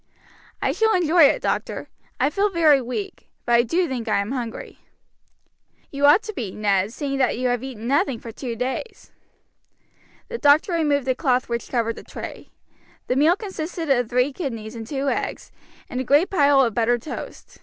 "I shall enjoy it, doctor. I feel very weak; but I do think I am hungry." "You ought to be, Ned, seeing that you have eaten nothing for two days." The doctor removed the cloth which covered the tray. The meal consisted of three kidneys and two eggs, and a great pile of buttered toast.